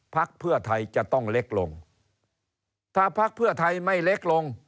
พักเพื่อไทยจะต้องเล็กลงถ้าพักเพื่อไทยไม่เล็กลง